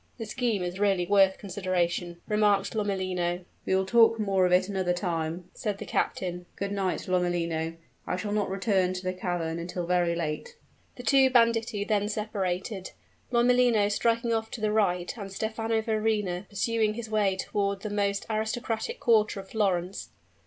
"The scheme is really worth consideration," remarked Lomellino. "We will talk more of it another time," said the captain. "Good night, Lomellino. I shall not return to the cavern until very late." The two banditti then separated Lomellino striking off to the right, and Stephano Verrina pursuing his way toward the most aristocratic quarter of Florence.